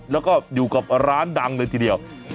แล้วก็อยู่กับร้านดังเลยทีเดียว